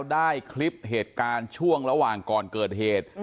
ได้คลิปเหตุการณ์ช่วงระหว่างก่อนเกิดเหตุ